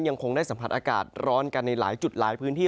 ยังคงได้สัมผัสอากาศร้อนกันในหลายจุดหลายพื้นที่